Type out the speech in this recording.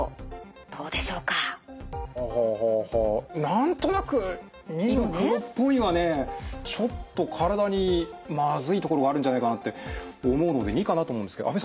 何となく②の「黒っぽい」はねちょっと体にまずいところがあるんじゃないかなって思うので②かなと思うんですけど阿部さん